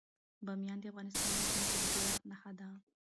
بامیان د افغانستان د ځمکې د جوړښت نښه ده.